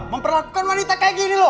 memperlakukan wanita kayak gini loh